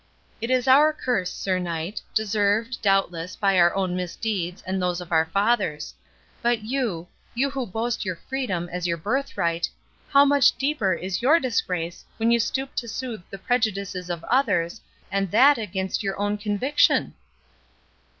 It is our curse, Sir Knight, deserved, doubtless, by our own misdeeds and those of our fathers; but you—you who boast your freedom as your birthright, how much deeper is your disgrace when you stoop to soothe the prejudices of others, and that against your own conviction?"